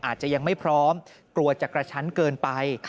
อาจจะยังไม่พร้อมกลัวจะกระชั้นเกินไป